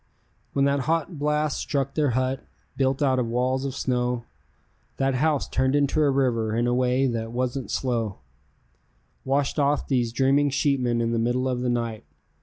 When that hot blast struck their hut, built out of walls of snow, That house turned into a river in a way that wasn't slow; Washed off these dreaming sheepmen in the middle of the night.